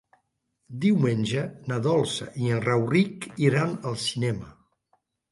Diumenge na Dolça i en Rauric iran al cinema.